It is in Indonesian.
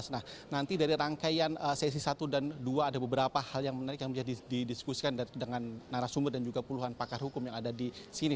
nah nanti dari rangkaian sesi satu dan dua ada beberapa hal yang menarik yang bisa didiskusikan dengan narasumber dan juga puluhan pakar hukum yang ada di sini